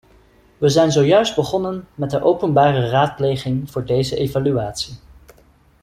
We zijn zojuist begonnen met de openbare raadpleging voor deze evaluatie.